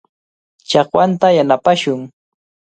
Chakwanta yanapashun.